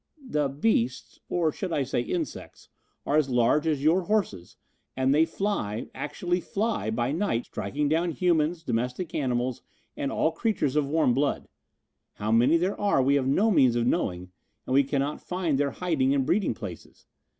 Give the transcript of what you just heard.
"The beasts, or should I say insects, are as large as your horses and they fly, actually fly, by night, striking down humans, domestic animals and all creatures of warm blood. How many there are we have no means of knowing, and we cannot find their hiding and breeding places.